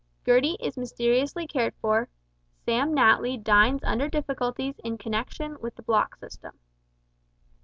GERTIE IS MYSTERIOUSLY CARED FOR SAM NATLY DINES UNDER DIFFICULTIES IN CONNEXION WITH THE BLOCK SYSTEM.